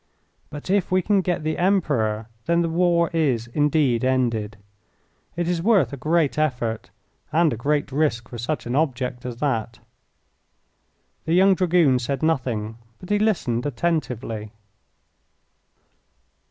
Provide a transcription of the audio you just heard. But if we can get the Emperor, then the war is indeed ended. It is worth a great effort and a great risk for such an object as that." The young Dragoon said nothing, but he listened attentively.